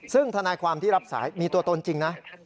ซึ่งทนายความที่รับสายมีตัวตนจริงนะ